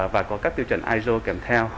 và có các tiêu chuẩn iso kèm theo